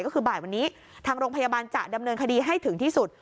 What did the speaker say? ก็คือบ่ายวันนี้ทางโรงพยาบาลจะดำเนินคดีให้ถึงที่สุด